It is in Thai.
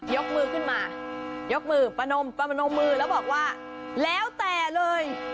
ยกมือขึ้นมายกมือประนมประนมมือแล้วบอกว่าแล้วแต่เลย